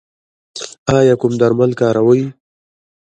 ایا کوم درمل کاروئ؟